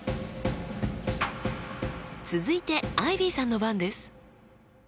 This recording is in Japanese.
続いてアイビーさんの番です。